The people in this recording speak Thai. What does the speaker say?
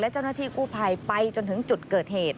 เจ้าหน้าที่กู้ภัยไปจนถึงจุดเกิดเหตุ